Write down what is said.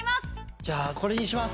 じゃあ、これにします。